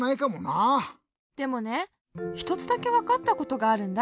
でもねひとつだけわかったことがあるんだ。